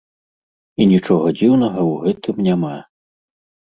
І нічога дзіўнага ў гэтым няма.